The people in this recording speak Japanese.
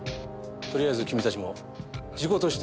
とりあえず君たちも事故として動いてくれ。